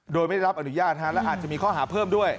โดยไม่ได้รับอนุญาตและอาจจะมีข้อหาเพิ่มด้วย